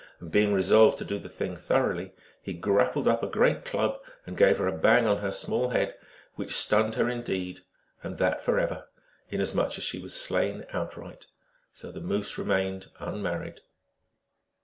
And being resolved to do the thing thoroughly, he grappled up a great club and gave her a bang on her small head, which stunned her indeed, and that forever, inasmuch as she was slain outright. So the Moose remained unmarried.